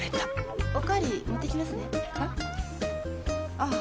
ああ。